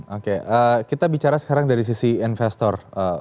oke kita bicara sekarang dari sisi investor